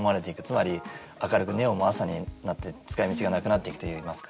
つまり明るくネオンも朝になって使いみちがなくなっていくといいますか。